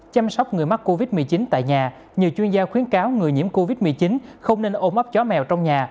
chăm sóc người mắc covid một mươi chín tại nhà nhiều chuyên gia khuyến cáo người nhiễm covid một mươi chín không nên ô móc chó mèo trong nhà